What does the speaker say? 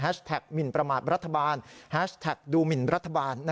หมินประมาทรัฐบาลแฮชแท็กดูหมินรัฐบาล